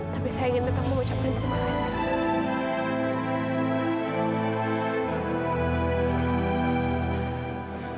tapi saya ingin tetap mengucapkan terima kasih